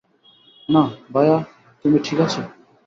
নাহ, ভায়া, তুমি ঠিক আছো।